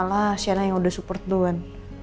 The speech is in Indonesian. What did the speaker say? malah sienna yang udah support duluan